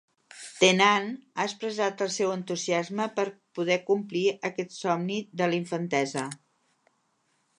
Tennant ha expressat el seu entusiasme per poder complir aquest somni de l'infantesa.